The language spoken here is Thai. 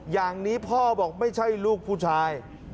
อย่างนี้พ่อบอกไม่ใช่ลูกผู้ชาย